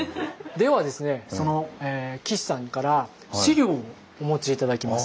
ではですね岸さんから資料をお持ち頂きます。